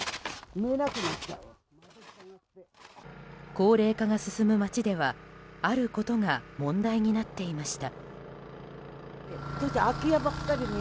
高齢化が進む街ではあることが問題になっていました。